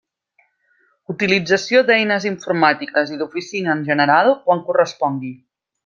Utilització d'eines informàtiques i d'oficina en general quan correspongui.